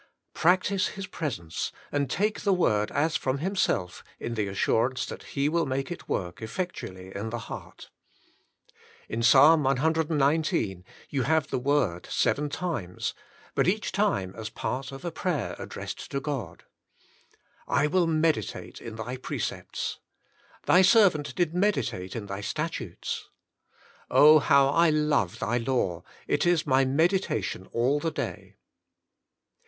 Practise His presence, and take the Word as from Him self in the assurance that He will make it work effectually in the heart. In Psalm cxix. you have the word seven times, but each time as part of a prayer addressed to God. ^^I will meditate in Thy precepts.'^ " Thy servant did meditate in Thy statutes." " how I love Thy law, it is my meditation all the day."